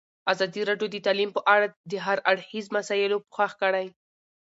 ازادي راډیو د تعلیم په اړه د هر اړخیزو مسایلو پوښښ کړی.